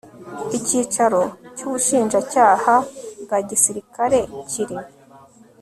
Icyicaro cy Ubushinjacyaha bwa Gisirikare kiri